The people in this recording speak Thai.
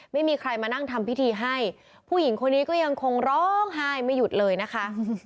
ไม่มีใครมานั่งทำพิธีให้ผู้หญิงคนนี้ก็ยังคงร้องไห้ไม่หยุดเลยนะคะ